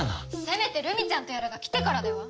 せめてルミちゃんとやらが来てからでは？